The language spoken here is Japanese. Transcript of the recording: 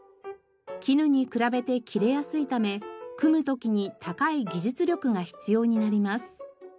絹に比べて切れやすいため組む時に高い技術力が必要になります。